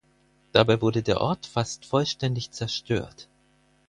Dabei wurde der Ort fast vollständig zerstört.